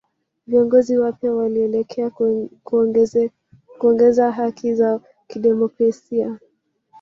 Viongozi wapya walielekea kuongeza haki za kidemokrasia